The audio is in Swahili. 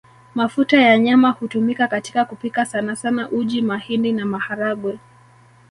Mafuta ya nyama hutumika katika kupika sanasana uji mahindi na maharagwe